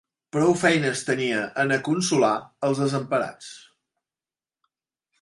Prou feines tenia en aconsolar als desemparats